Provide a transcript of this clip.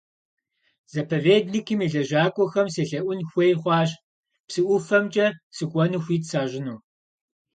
Заповедникым и лэжьакӀуэхэм селъэӀун хуей хъуащ, псы ӀуфэмкӀэ сыкӀуэну хуит сащӀыну.